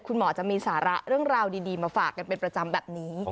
คุณหมอจะมีสาระเรื่องราวดีมาฝากกันเป็นประจำแบบนี้